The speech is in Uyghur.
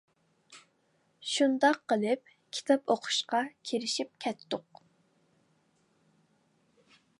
شۇنداق قىلىپ كىتاب ئوقۇشقا كىرىشىپ كەتتۇق.